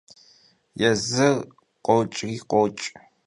Yêzır khoç'ri khoç'.